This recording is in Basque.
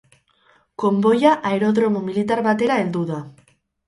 Konboia aerodromo militar batera heldu da.